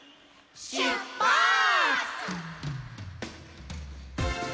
しゅっぱつ！